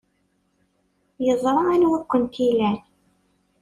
Yeẓra anwa ay kent-ilan.